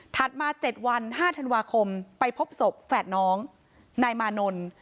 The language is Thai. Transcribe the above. มา๗วัน๕ธันวาคมไปพบศพแฝดน้องนายมานนท์